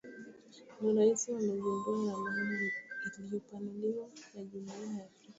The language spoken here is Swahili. Marais wamezindua ramani iliyopanuliwa ya Jumuiya ya Afrika Mashariki